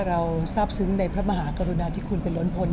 เราทราบซึ้งในเผริญภัพธุ์มหากรุณาที่คุณร้นพล